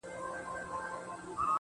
د هدو لورې تا د خلکو په مخ کار وتړی_